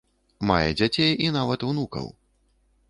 Мае дзяцей і нават унукаў.